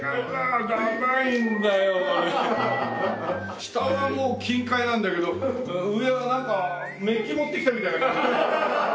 下はもう金塊なんだけど上はなんかメッキ持ってきたみたいな。